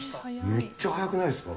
めっちゃ早くないですか？